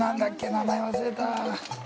名前忘れた。